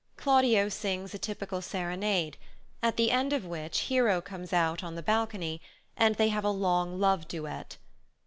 Claudio sings a typical serenade, at the end of which Hero comes out on the balcony, and they have a long love duet.